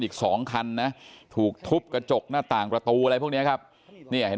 อีก๒คันนะถูกทุบกระจกหน้าต่างประตูอะไรพวกนี้ครับเนี่ยเห็น